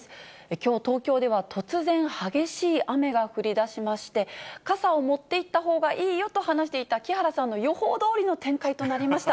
きょう、東京では突然、激しい雨が降りだしまして、傘を持っていったほうがいいよと話していた木原さんの予報どおりの展開となりました。